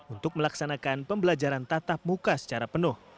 untuk melaksanakan pembelajaran tatap muka secara penuh